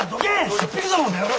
しょっ引くぞこの野郎。